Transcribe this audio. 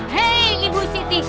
hei ibu siti